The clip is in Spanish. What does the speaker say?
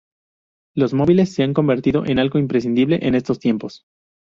Los móviles se han convertido en algo imprescindible en estos tiempos.